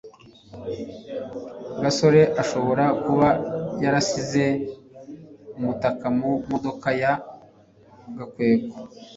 gasore ashobora kuba yarasize umutaka mu modoka ya gakwego